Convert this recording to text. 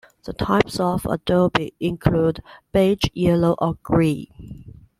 The types of adobe include: beige, yellow, or grey.